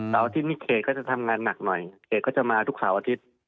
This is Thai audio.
อาทิตย์นี้เขตก็จะทำงานหนักหน่อยเขตก็จะมาทุกเสาร์อาทิตย์